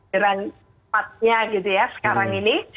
empatnya gitu ya sekarang ini